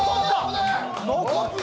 残った。